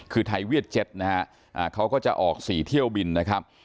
คือไทยเวียด๗นะฮะเขาก็จะออก๔เที่ยวบินนะครับ